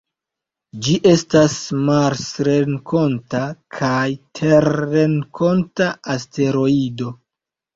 Ĝi estas marsrenkonta kaj terrenkonta asteroido.